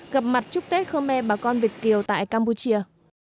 gặp mặt chúc tết khơ me bà con việt kiều tại campuchia